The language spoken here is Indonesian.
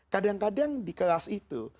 kadang kadang di kelas itu